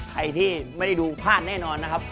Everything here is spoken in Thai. ใครที่ไม่ได้ดูพลาดแน่นอนนะครับ